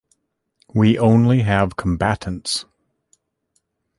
We only have combatants.